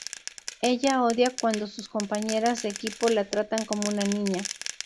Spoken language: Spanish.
Ella odia cuando sus compañeras de equipo la tratan como una niña.